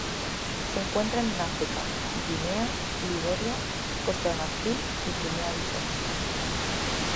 Se encuentran en África: Guinea, Liberia, Costa de Marfil y Guinea-Bissau.